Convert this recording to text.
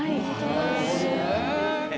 なるほどね。